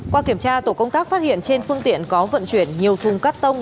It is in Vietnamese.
qua kiểm tra tổ công tác phát hiện trên phương tiện có vận chuyển nhiều thùng cắt tông